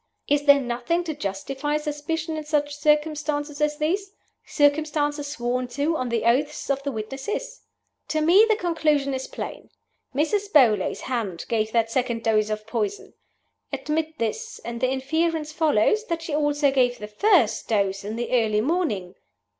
Is there nothing to justify suspicion in such circumstances as these circumstances sworn to on the oaths of the witnesses? To me the conclusion is plain. Mrs. Beauly's hand gave that second dose of poison. Admit this; and the inference follows that she also gave the first dose in the early morning.